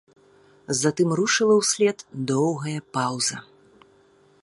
Затым рушыла ўслед доўгая паўза.